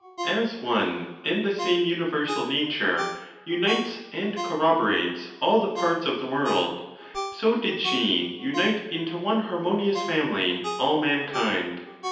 As one and the same universal nature unites and corrobo rates all the parts of the world, so did she unite into one harmonious family all mankind.